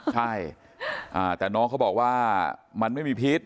ใช่แต่น้องเขาบอกว่ามันไม่มีพิษ